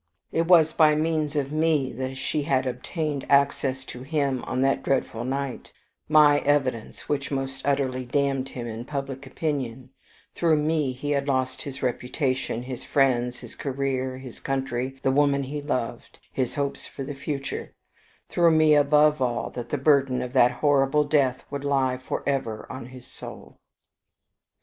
It was by means of me that she had obtained access to him on that dreadful night; my evidence which most utterly damned him in public opinion; through me he had lost his reputation, his friends, his career, his country, the woman he loved, his hopes for the future; through me, above all, that the burden of that horrible death would lie for ever on his soul.